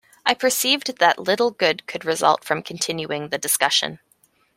I perceived that little good could result from continuing the discussion.